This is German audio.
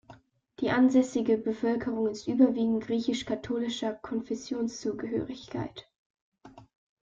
Die ansässige Bevölkerung ist überwiegend griechisch-katholischer Konfessionszugehörigkeit.